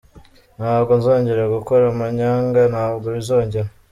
Ntabwo nzongera gukora amanyanga, ntabwo bizongera…”.